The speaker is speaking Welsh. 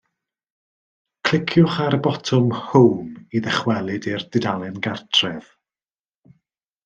Cliciwch ar y botwm 'Home' i ddychwelyd i'r dudalen gartref.